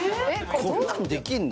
こんなんできんの？